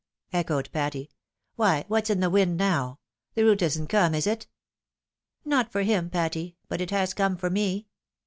echoed Patty. " Why, what's in the wind now ? the route isn't come, is it ?"" Not for him, Patty, but it has come for me